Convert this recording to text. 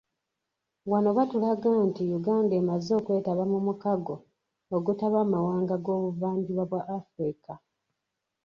Wano batulaga nti Uganda emaze okwetaba mu mukago ogutaba amawanga g'obuvanjuba bwa Afrika.